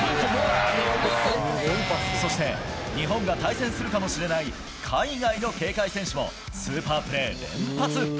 そして、日本が対戦するかもしれない海外の警戒選手も、スーパープレー連発。